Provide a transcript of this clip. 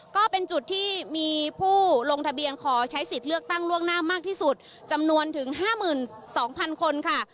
ก็เป็นจุดที่มีผู้ลงทะเบียนขอใช้สิทธิ์เลือกตั้งล่วงหน้ามากที่สุดจำนวนถึง๕๒๐๐๐คนค่ะ